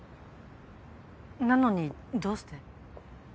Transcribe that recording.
なのにどうして？